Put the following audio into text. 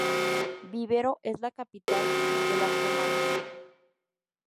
Vivero es la capital de la comarca.